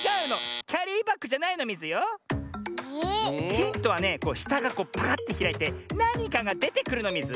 ヒントはねこうしたがパカッてひらいてなにかがでてくるのミズ。